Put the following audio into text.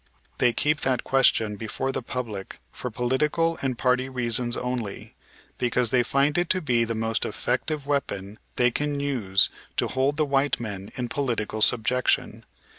They keep that question before the public for political and party reasons only, because they find it to be the most effective weapon they can use to hold the white men in political subjection.